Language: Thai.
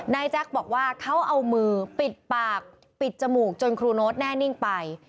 แจ็คบอกว่าเขาเอามือปิดปากปิดจมูกจนครูโน๊ตแน่นิ่งไป